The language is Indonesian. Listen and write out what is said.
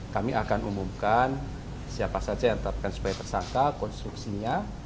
kami akan umumkan siapa saja yang ditetapkan sebagai tersangka konstruksinya